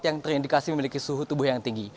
yang terindikasi memiliki suhu tubuh yang tinggi